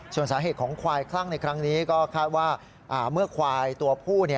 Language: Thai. ส่วนสาเหตุของควายคลั่งในครั้งนี้ก็คาดว่าเมื่อควายตัวผู้